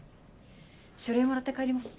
書類もらって帰ります。